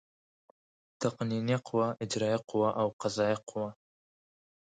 تقنینیه قوه، اجرائیه قوه او قضایه قوه.